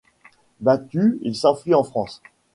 Battu, il s'enfuit en France.